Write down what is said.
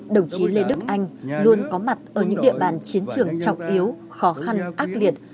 đồng chí lê đức anh luôn có mặt ở những địa bàn chiến trường trọng yếu khó khăn ác liệt